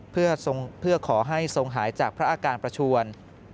เพื่อขอให้ทรงหายจากพระอาการประชวน